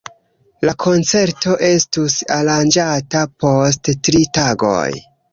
La koncerto estus aranĝata post tri tagoj.